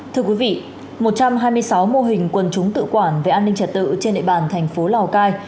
thưa quý vị một trăm hai mươi sáu mô hình quân chúng tự quản về an ninh trật tự trên địa bàn thành phố lào cai